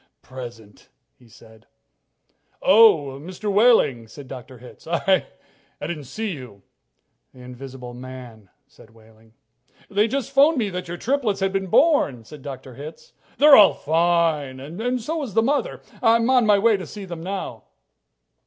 "Present," he said. "Oh, Mr. Wehling," said Dr. Hitz, "I didn't see you." "The invisible man," said Wehling. "They just phoned me that your triplets have been born," said Dr. Hitz. "They're all fine, and so is the mother. I'm on my way in to see them now."